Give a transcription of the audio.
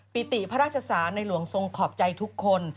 ปิติพระราชศาสนิรทรงขอบใจทุกคน